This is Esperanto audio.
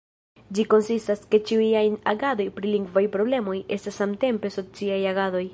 Ĝi konstatas, ke "ĉiuj ajn agadoj pri lingvaj problemoj estas samtempe sociaj agadoj".